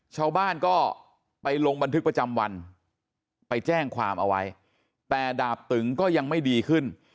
ชาวบ้านก็ไปลงบันทึกประจำวันไปแจ้งความเอาไว้แต่ดาบตึงก็ยังไม่ดีขึ้น